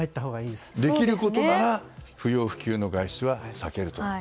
できることなら不要不急の外出は避けると。